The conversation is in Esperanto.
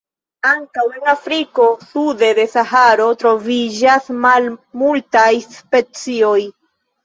Ankaŭ en Afriko sude de Saharo troviĝas malmultaj specioj.